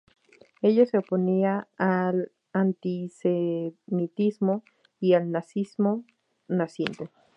Ella se oponía al antisemitismo y al Nazismo naciente.